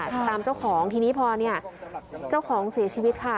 ตามเจ้าของทีนี้พอเนี่ยเจ้าของเสียชีวิตค่ะ